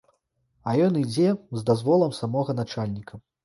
А ён ідзе з дазволам самога начальніка!